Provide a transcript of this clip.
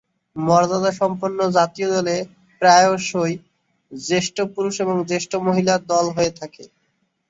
মর্যাদাসম্পন্ন জাতীয় দলে প্রায়শঃই জ্যেষ্ঠ পুরুষ ও জ্যেষ্ঠ মহিলা দল হয়ে থাকে।